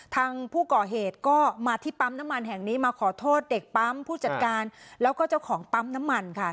ทางผู้ก่อเหตุก็มาที่ปั๊มน้ำมันแห่งนี้มาขอโทษเด็กปั๊มผู้จัดการแล้วก็เจ้าของปั๊มน้ำมันค่ะ